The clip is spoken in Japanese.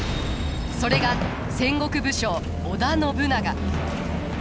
それが戦国武将織田信長。